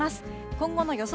今後の予想